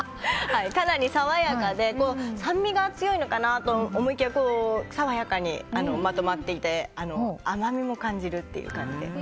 かなり爽やかで酸味が強いのかなと思いきや爽やかにまとまっていて甘みも感じるっていう。